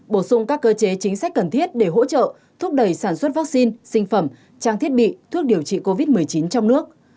bổ sung các cơ chế chính sách cần thiết để hỗ trợ thúc đẩy sản xuất vaccine sinh phẩm trang thiết bị thuốc điều trị covid một mươi chín trong nước